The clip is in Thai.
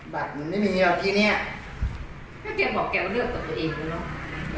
บัตรมันไม่มีแบบที่เนี้ยถ้าเกียร์บอกแกก็เลือกต่อตัวเองดูเนอะ